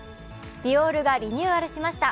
ディオールがリニューアルしました。